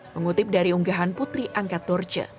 mengutip dari unggahan putri angkat dorce